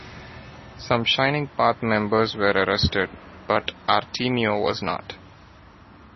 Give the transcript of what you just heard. Some Shining Path members were arrested, but Artemio was not.